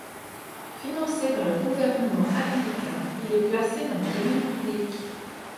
Financé par le gouvernent américain, il est placé dans le domaine public.